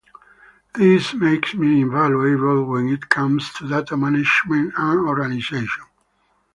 This makes me invaluable when it comes to data management and organization.